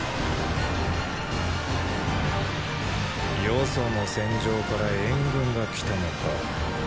他所の戦場から援軍が来たのか。